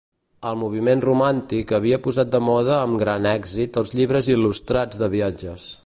El moviment romàntic havia posat de moda amb gran èxit els llibres il·lustrats de viatges.